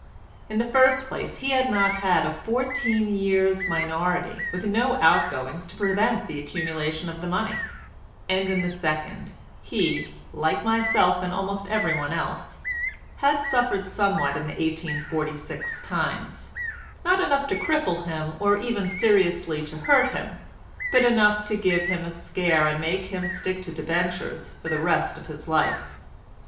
In the first place he had not had a fourteen years' minority with no outgoings to prevent the accumulation of the money, and in the second he, like myself and almost everyone else, had suffered somewhat in the 1846 times—not enough to cripple him or even seriously to hurt him, but enough to give him a scare and make him stick to debentures for the rest of his life.